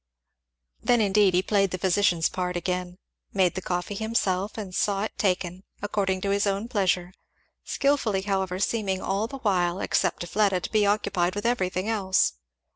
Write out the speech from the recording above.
Then indeed he played the physician's part again; made the coffee himself and saw it taken, according to his own pleasure; skilfully however seeming all the while, except to Fleda, to be occupied with everything else.